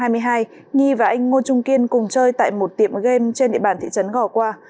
nhi và anh ngô trung kiên cùng chơi tại một tiệm game trên địa bàn thị trấn gò qua